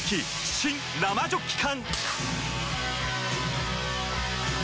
新・生ジョッキ缶！